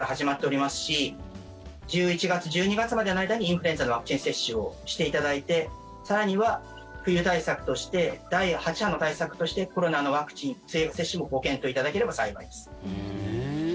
そのためにインフルエンザのワクチン接種は１０月から始まっておりますし１１月、１２月までの間にインフルエンザのワクチン接種をしていただいて更には、冬対策として第８波の対策としてコロナのワクチン接種もご検討いただければ幸いです。